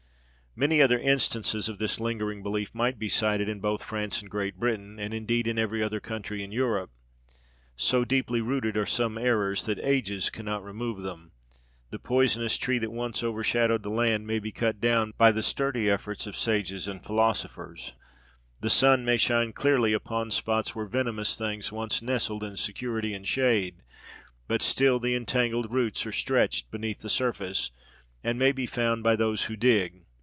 Many other instances of this lingering belief might be cited both in France and Great Britain, and indeed in every other country in Europe. So deeply rooted are some errors, that ages cannot remove them. The poisonous tree that once overshadowed the land may be cut down by the sturdy efforts of sages and philosophers; the sun may shine clearly upon spots where venomous things once nestled in security and shade; but still the entangled roots are stretched beneath the surface, and may be found by those who dig.